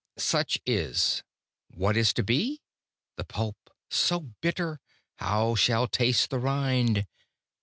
Such is; what is to be? The pulp so bitter, how shall taste the rind?